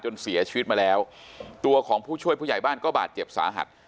เสียชีวิตมาแล้วตัวของผู้ช่วยผู้ใหญ่บ้านก็บาดเจ็บสาหัส